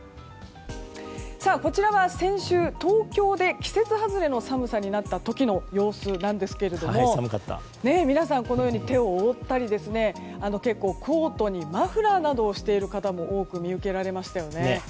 こちらは先週、東京で季節外れの寒さになった時の様子なんですが皆さん、このように手を覆ったり結構、コートにマフラーなどをしている方も多く見受けられましたよね。